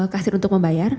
kasir untuk membayar